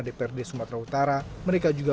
dprd sumatera utara mereka juga